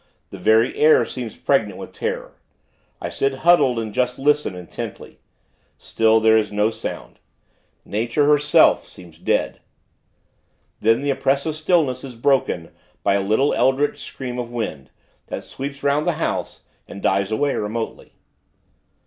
The very air seems pregnant with terror. I sit huddled, and just listen, intently. Still, there is no sound. Nature, herself, seems dead. Then, the oppressive stillness is broken by a little eldritch scream of wind, that sweeps 'round the house, and dies away, remotely.